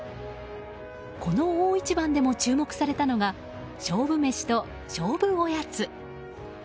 この大一番でも注目されたのが勝負メシと勝負おやつ。